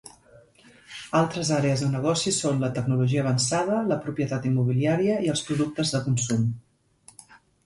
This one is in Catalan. Altres àrees de negoci són la tecnologia avançada, la propietat immobiliària i els productes de consum.